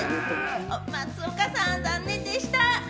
松岡さん残念でした。